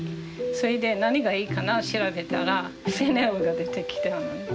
それで何がいいかな調べたらフェンネルが出てきたのね。